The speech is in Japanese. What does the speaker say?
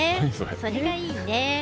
それがいいね。